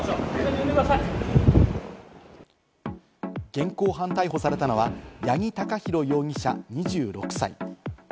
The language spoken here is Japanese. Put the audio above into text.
現行犯逮捕されたのは、八木貴寛容疑者、２６歳。